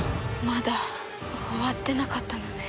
まだ終わってなかったのね。